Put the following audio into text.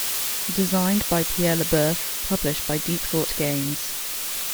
Designed by Pierre LeBoeuf, published by Deep Thought Games.